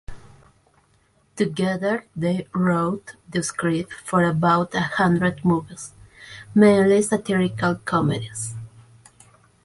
Together, they wrote the script for about a hundred movies, mainly satirical comedies.